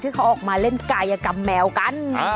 ที่เขาออกมาเล่นกายกับแมวกัน